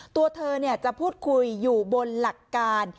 ตัวเธอจะพูดคุยอยู่บนหลักการ